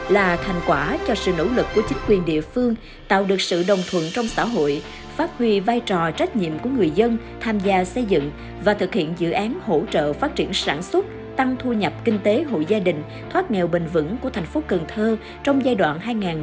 là thành quả cho sự nỗ lực của chính quyền địa phương tạo được sự đồng thuận trong xã hội phát huy vai trò trách nhiệm của người dân tham gia xây dựng và thực hiện dự án hỗ trợ phát triển sản xuất tăng thu nhập kinh tế hội gia đình thoát nghèo bền vững của thành phố cần thơ trong giai đoạn hai nghìn một mươi sáu hai nghìn hai mươi